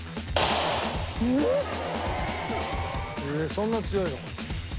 そんな強いの？